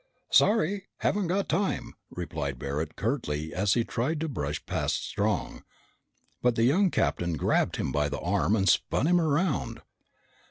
"Sorry, haven't got time!" replied Barret curtly as he tried to brush past Strong. But the young captain grabbed him by the arm and spun him around.